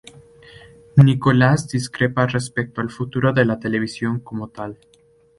Nicholas discrepa respecto al futuro de la televisión como tal.